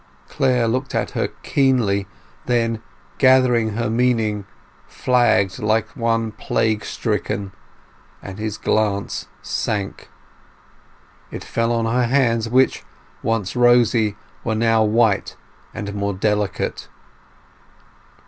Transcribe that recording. Clare looked at her keenly, then, gathering her meaning, flagged like one plague stricken, and his glance sank; it fell on her hands, which, once rosy, were now white and more delicate.